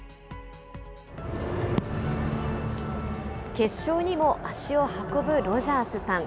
決勝にも足を運ぶロジャースさん。